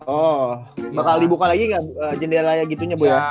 oh bakal dibuka lagi gak jendela gitu ya bu ya